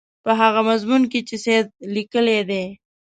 په هغه مضمون کې چې سید لیکلی دی.